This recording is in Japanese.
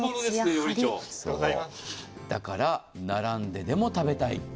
だから並んででも食べたい。